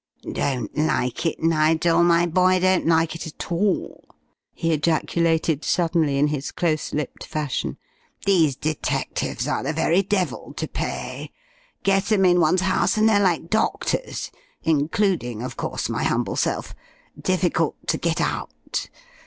"Don't like it, Nigel, my boy; don't like it at all!" he ejaculated, suddenly, in his close clipped fashion. "These detectives are the very devil to pay. Get 'em in one's house and they're like doctors including, of course, my humble self difficult to get out.